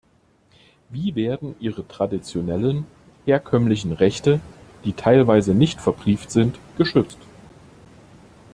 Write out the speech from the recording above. Wie werden ihre traditionellen, herkömmlichen Rechte, die teilweise nicht verbrieft sind, geschützt?